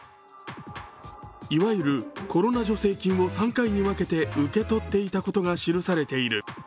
いわゆるコロナ助成金を３回に分けて受け取っていたことが記されている。